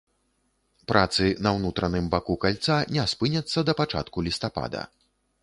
Працы на ўнутраным баку кальца не спыняцца да пачатку лістапада.